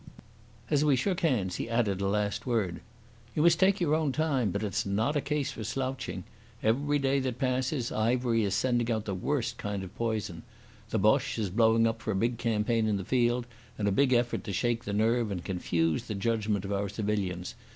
As we shook hands, he added a last word. "You must take your own time, but it's not a case for slouching. Every day that passes Ivery is sending out the worst kind of poison. The Boche is blowing up for a big campaign in the field, and a big effort to shake the nerve and confuse the judgement of our civilians.